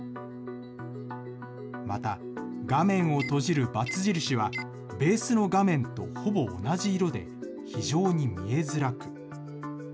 また、画面を閉じるバツ印はベースの画面とほぼ同じ色で、非常に見えづらく。